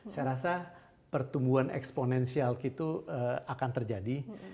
saya rasa pertumbuhan eksponensial itu akan terjadi